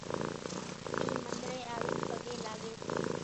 اِي منۮرين آوين پڳين لاڳي سي